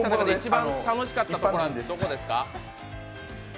今まで旅して一番楽しかったところはどこですか？